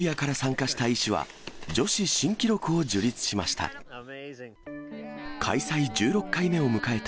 女子の優勝者、ラトビアから参加した医師は、女子新記録を樹立しました。